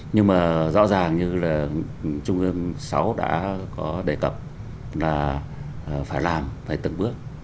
nhưng mà rõ ràng như là trung ương sáu đã có đề cập là phải làm phải từng bước